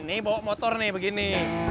ini bawa motor nih begini